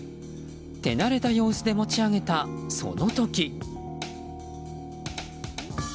手慣れた様子で持ち上げたその時。